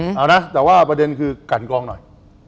เอานะแต่ว่าประเด็นคือกันกรองหน่อย